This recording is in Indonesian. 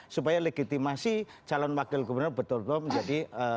supaya legitimasi calon wakil gubernur betul betul menjadi